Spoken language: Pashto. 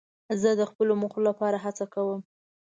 زه د خپلو موخو لپاره هڅه کوم.